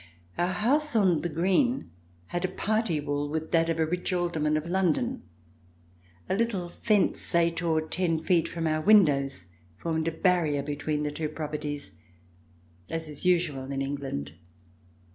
Our house on "The Green" had a party wall with that of a rich alderman of London. A little fence, eight or ten feet from our windows, formed a barrier between the two properties, as is usual in England.